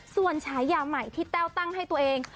ส่วนฉายาใหม่ที่แต้วตั้งให้ตัวเอง